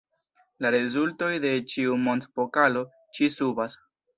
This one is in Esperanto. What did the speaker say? La rezultoj de ĉiu Mond-Pokalo ĉi-subas.